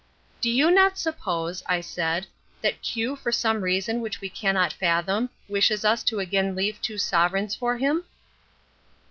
"Do you not suppose," I said, "that Q for some reason which we cannot fathom, wishes us to again leave two sovereigns for him?"